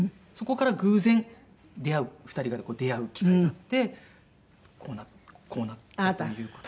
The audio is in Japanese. そこから偶然出会う２人が出会う機会があってこうなったという。